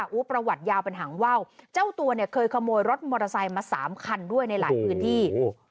ประวัติยาวเป็นหางว่าวเจ้าตัวเนี่ยเคยขโมยรถมอเตอร์ไซค์มาสามคันด้วยในหลายพื้นที่